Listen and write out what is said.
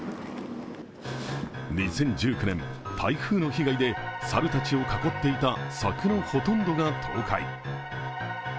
２０１９年、台風の被害で猿たちを囲っていた柵のほとんどが倒壊。